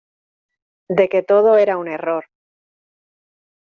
de que todo era un error.